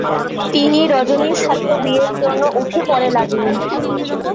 তিনি রজনীর সাথে বিয়ের জন্য উঠে-পড়ে লাগলেন।